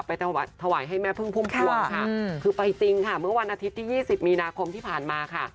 ถวายให้แม่พึ่งพุ่มพวงค่ะคือไปจริงค่ะเมื่อวันอาทิตย์ที่๒๐มีนาคมที่ผ่านมาค่ะ